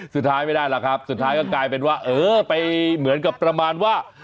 สุดท้ายไม่ได้หรอกครับสุดท้ายก็กลายเป็นว่าเออไปเหมือนกับประมาณว่า